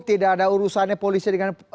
tidak ada urusannya polisi dengan